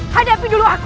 hadapi dulu aku